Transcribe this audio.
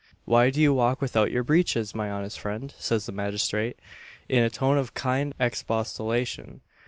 "Why do you walk without your breeches, my honest friend?" said the magistrate, in a tone of kind expostulation.